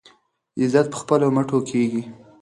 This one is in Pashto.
عزت په خپلو مټو کیږي.